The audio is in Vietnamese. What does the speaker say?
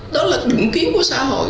đó là định kiến của xã hội